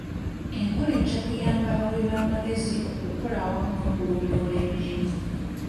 Enkola ejja kuyamba abawi b'amagezi okukola wamu n'okulondoola emirimu.